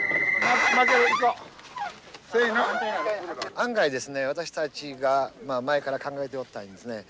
案外ですね私たちが前から考えておったですね